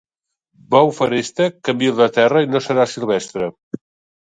Bou feréstec, canvia'l de terra i no serà silvestre.